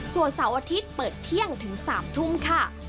ส่วนเสาร์อาทิตย์เปิดเที่ยงถึง๓ทุ่มค่ะ